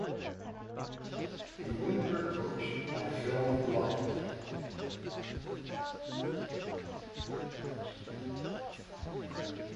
England were coached by Phil Larder.